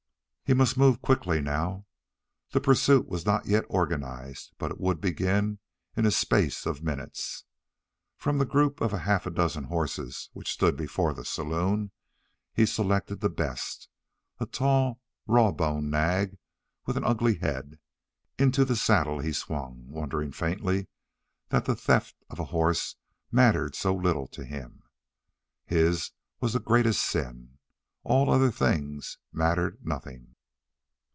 He must move quickly now. The pursuit was not yet organized, but it would begin in a space of minutes. From the group of half a dozen horses which stood before the saloon he selected the best a tall, raw boned nag with an ugly head. Into the saddle he swung, wondering faintly that the theft of a horse mattered so little to him. His was the greatest sin. All other things mattered nothing.